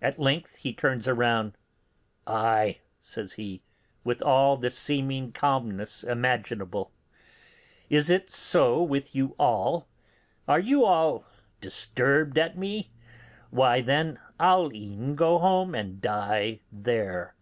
At length he turns round: 'Ay!' says he, with all the seeming calmness imaginable, 'is it so with you all? Are you all disturbed at me? Why, then I'll e'en go home and die there.